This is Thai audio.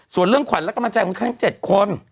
ส่วนเรื่องขวัญและกำลังใจของทั้ง๗คน